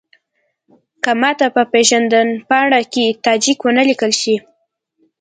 که ماته په پېژندپاڼه کې تاجک ونه لیکل شي.